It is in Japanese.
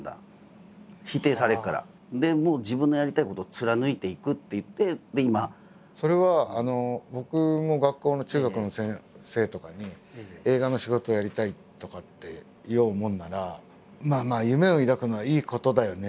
それでそれは僕も学校の中学の先生とかに映画の仕事やりたいとかって言おうもんなら「まあまあ夢を抱くのはいいことだよね」